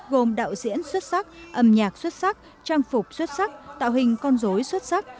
gồm đạo diễn xuất sắc âm nhạc xuất sắc trang phục xuất sắc tạo hình con dối xuất sắc